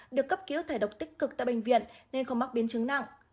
được cấp cứu thải độc tích cực tại bệnh viện nên không mắc biến chứng nặng